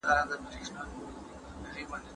د سپوږمۍ رڼا دې شونډو باندې موسکه